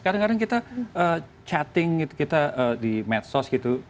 kadang kadang kita chatting gitu kita di medsos gitu